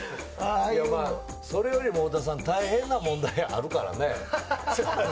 まあ、それよりも太田さん、大変な問題あるからね。